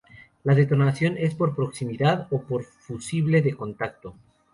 La detonación es por proximidad o por fusible de contacto.